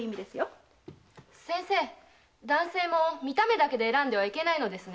先生男性も見た目だけで選んではいけないのですね。